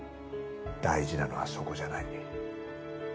大事なのはそこじゃない。